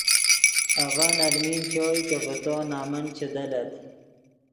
اڤن المین چوئے کہ ڤے تو نمن چے دلّت